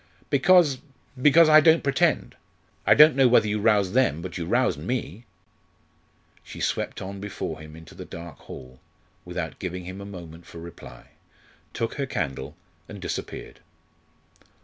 "Because because I don't pretend. I don't know whether you roused them, but you roused me." She swept on before him into the dark hall, without giving him a moment for reply, took her candle, and disappeared.